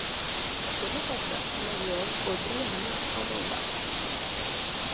Demà passat n'Oriol voldria anar a Maldà.